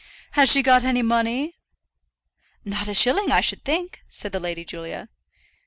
"Has she got any money?" "Not a shilling, I should think," said the Lady Julia.